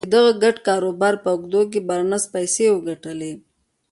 د دغه ګډ کاروبار په اوږدو کې بارنس پيسې وګټلې.